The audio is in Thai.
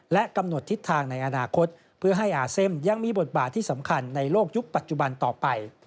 และกำหนดทิศทางในอนาคตเพื่อให้อาเซมยังมีบทบาทที่สำคัญในโลกยุคปัจจุบันต่อไป